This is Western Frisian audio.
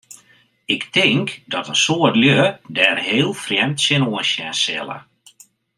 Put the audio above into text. Ik tink dat in soad lju dêr heel frjemd tsjinoan sjen sille.